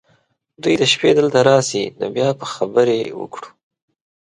دوی دې شپې دلته راشي ، نو بیا به خبرې وکړو .